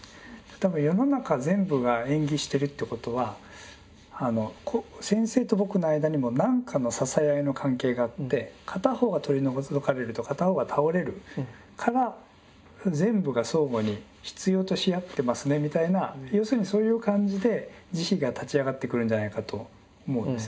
多分世の中全部が縁起してるってことは先生と僕の間にも何かの支え合いの関係があって片方が取り除かれると片方が倒れるから全部が相互に必要とし合ってますねみたいな要するにそういう感じで慈悲が立ち上がってくるんじゃないかと思うんです。